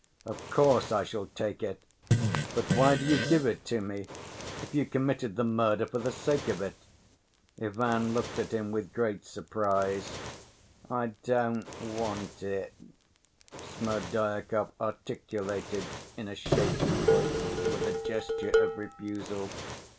"Of course, I shall take it. But why do you give it to me, if you committed the murder for the sake of it?" Ivan looked at him with great surprise. "I don't want it," Smerdyakov articulated in a shaking voice, with a gesture of refusal.